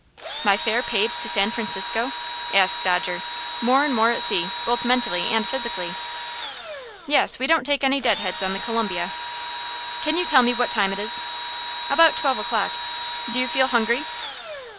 "My fare paid to San Francisco?" asked Dodger, more and more at sea, both mentally and physically. "Yes; we don't take any deadheads on the Columbia." "Can you tell me what time it is?" "About twelve o'clock. Do you feel hungry?"